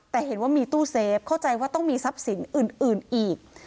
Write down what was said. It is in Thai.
แต่เห็นว่ามีตู้เซฟเข้าใจว่าต้องมีทรัพย์สินอื่นอีก